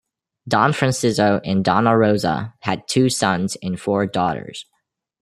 Don Franciso and Donna Rosa had two sons and four daughters.